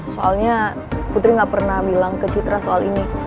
soalnya putri gak pernah bilang ke citra soal ini